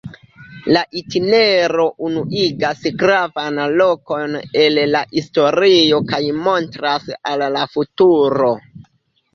La itinero unuigas gravajn lokojn el la historio kaj montras al la futuro.